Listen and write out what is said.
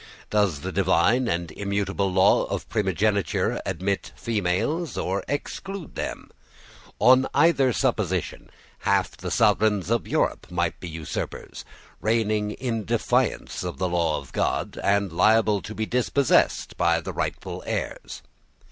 Does the divine and immutable law of primogeniture admit females, or exclude them? On either supposition half the sovereigns of Europe must be usurpers, reigning in defiance of the law of God, and liable to be dispossessed by the rightful heirs.